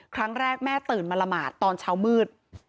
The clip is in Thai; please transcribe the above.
ครั้งแรกแม่ตื่นมาละหมาดตอนเช้ามืด